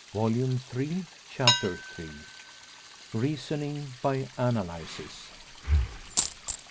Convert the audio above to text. Volume Three, Chapter III. REASONING BY ANALYSIS.